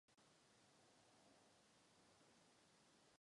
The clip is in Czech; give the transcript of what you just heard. Čtvrté pole je převzato ze znaku města Karlových Var.